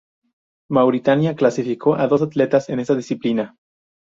Mauritania clasificó a dos atletas en esta disciplina.